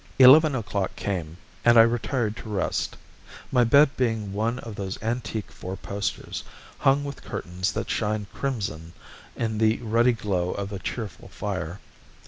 Eleven o'clock came, and I retired to rest; my bed being one of those antique four posters, hung with curtains that shine crimson in the ruddy glow of a cheerful fire.